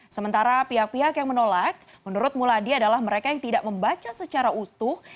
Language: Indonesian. sementara pihak pihak yang menolak menurut muladi adalah mereka yang tidak membaca secara utuh